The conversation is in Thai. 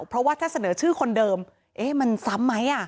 เพราะว่าถ้าเสนอชื่อคนเดิมเอ๊ะมันซ้ำไหม